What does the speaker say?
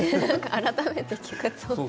改めて聴くと。